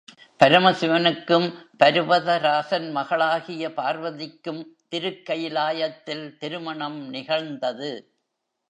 பரமசிவனுக்கும் பருவதராசன் மகளாகிய பார்வதிக்கும் திருக்கயிலாயத்தில் திருமணம் நிகழ்ந்தது.